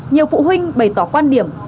nhiều phụ huynh bày tỏ quan điểm